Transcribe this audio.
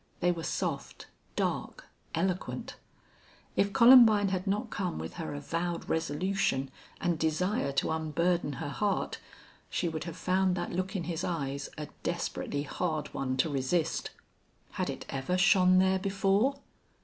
They were soft, dark, eloquent. If Columbine had not come with her avowed resolution and desire to unburden her heart she would have found that look in his eyes a desperately hard one to resist. Had it ever shone there before?